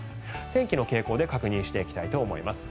天気の傾向で確認していきたいと思います。